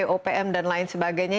opm dan lain sebagainya